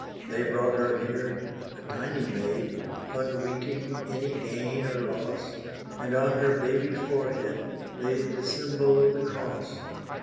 They brought her here a tiny maid, Unweeting any gain or loss, And on her baby forehead laid The symbol of the Cross.